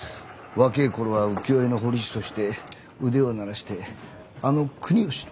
若え頃は浮世絵の彫り師として腕を鳴らしてあの国芳の。